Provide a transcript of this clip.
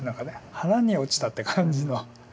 腹に落ちたって感じの。